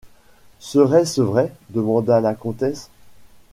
Serait-ce vrai ? demanda la comtesse.